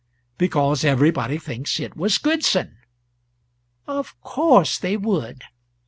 "Because everybody thinks it was Goodson." "Of course they would!"